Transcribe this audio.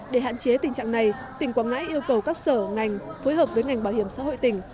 để hạn chế tình trạng này tỉnh quảng ngãi yêu cầu các sở ngành phối hợp với ngành bảo hiểm xã hội tỉnh